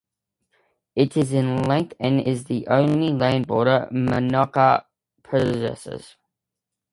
It is in length and is the only land border Monaco possesses.